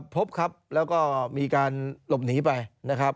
พบครับแล้วก็มีการหลบหนีไปนะครับ